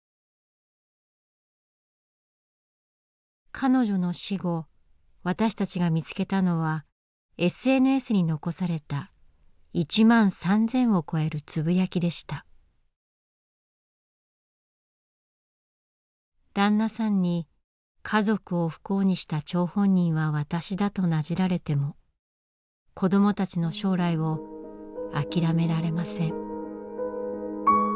彼女の死後私たちが見つけたのはＳＮＳに残された「ダンナさんに家族を不幸にした張本人は私だとなじられても子どもたちの将来をあきらめられません」。